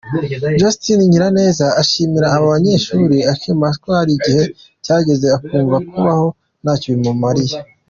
Justine Nyiraneza, ashimira aba banyeshuri, akemeza ko hari igihe cyageze akumva kubaho ntacyo bikimumariye.